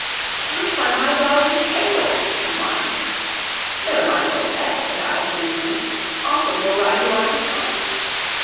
"Can't find my dolly's k'adle," he whined. "Never mind, old pet," said I, soothingly. "Uncle will ride you on his foot."